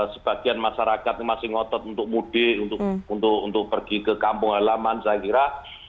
sebagian masyarakat masih ngotot untuk mudik untuk pergi ke kampung halaman saya kira